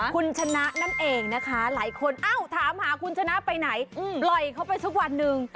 คุณชนะนั่นเองนะคะหลายคนเอ้าถามหาคุณชนะไปไหนปล่อยเขาไปสักวันหนึ่ง